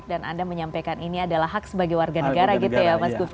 dan anda menyampaikan ini adalah hak sebagai warga negara gitu ya mas gufron